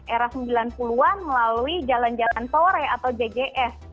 era sembilan puluh an melalui jalan jalan sore atau jjs